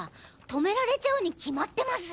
止められちゃうに決まってます！